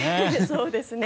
そうですね。